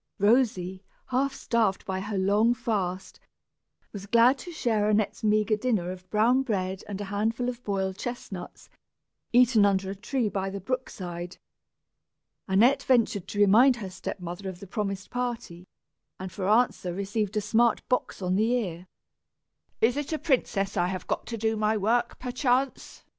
Rosy, half starved by her long fast, was glad to share Annette's meagre dinner of brown bread and a handful of boiled chestnuts, eaten under a tree by the brookside. Annette ventured to remind her step mother of the promised party, and, for answer, received a smart box on the ear. "Is it a princess I have got to do my work, perchance?"